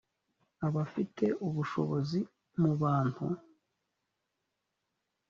abafite ubushishozi mu bantu